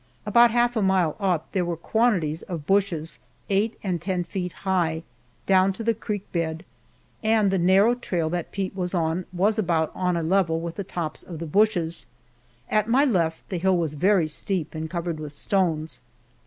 About half a mile up, there were quantities of bushes eight and ten feet high down in the creek bed, and the narrow trail that Pete was on was about on a level with the tops of the bushes. At my left the hill was very steep and covered with stones.